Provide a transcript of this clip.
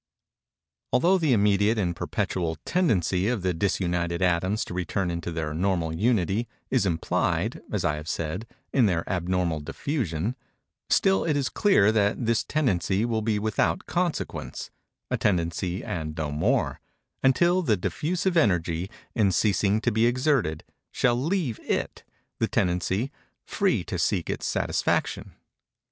Although the immediate and perpetual tendency of the disunited atoms to return into their normal Unity, is implied, as I have said, in their abnormal diffusion; still it is clear that this tendency will be without consequence—a tendency and no more—until the diffusive energy, in ceasing to be exerted, shall leave it, the tendency, free to seek its satisfaction.